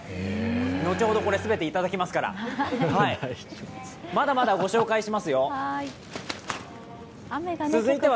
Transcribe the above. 後ほどこれ、全ていただきますからまだまだご紹介しますよ。